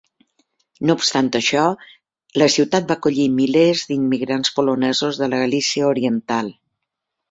No obstant això, la ciutat va acollir milers d'immigrants polonesos de la Galícia oriental.